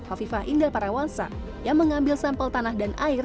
hafifah inder parawansa yang mengambil sampel tanah dan air